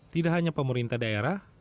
tidak hanya pemerintah daerah